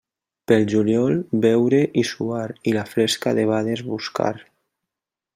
Pel juliol, beure i suar, i la fresca debades buscar.